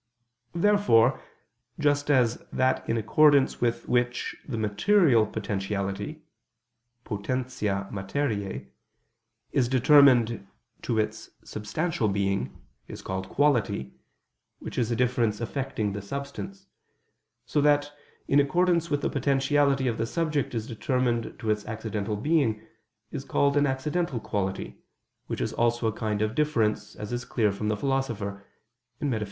Therefore, just as that in accordance with which the material potentiality (potentia materiae) is determined to its substantial being, is called quality, which is a difference affecting the substance, so that, in accordance with the potentiality of the subject is determined to its accidental being, is called an accidental quality, which is also a kind of difference, as is clear from the Philosopher (Metaph.